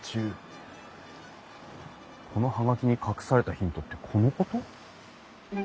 この葉書に隠されたヒントってこのこと？